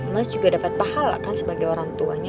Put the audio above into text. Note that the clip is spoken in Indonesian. mas juga dapat pahal lah kan sebagai orang tuanya